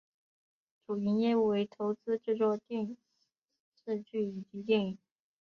主营业务为投资制作电视剧以及电影。